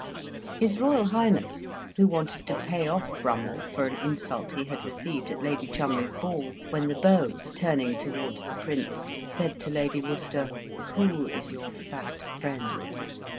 His Royal Highness who wanted to pay off Brummell for an insult he had received at Lady Cholmondeley's ball, when the beau, turning towards the Prince, said to Lady Worcester, "Who is your fat friend?"